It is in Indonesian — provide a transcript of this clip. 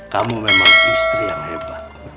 kamu memang istri yang hebat